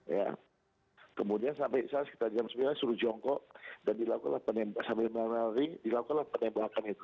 ya kemudian sampai saat sekitar jam sembilan suruh jongkok dan dilakukan penembakan sambil menangani dilakukan penembakan itu